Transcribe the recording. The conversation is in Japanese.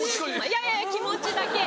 いやいや気持ちだけ。